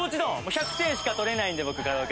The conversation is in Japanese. １００点しか取れないんで僕カラオケでは。